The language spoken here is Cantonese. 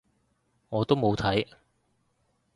我都冇睇